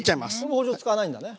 包丁使わないんだね。